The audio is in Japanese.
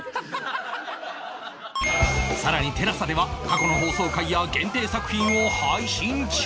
さらに ＴＥＬＡＳＡ では過去の放送回や限定作品を配信中